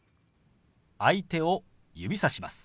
相手を指さします。